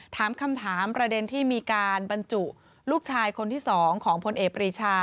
ถามคำถามประเด็นที่มีการบรรจุลูกชายคนที่๒ของพลเอกปรีชา